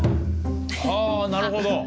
あなるほど。